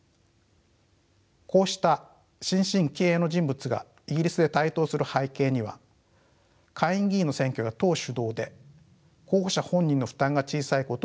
こうした新進気鋭の人物がイギリスで台頭する背景には下院議員の選挙が党主導で候補者本人の負担が小さいことを指摘できます。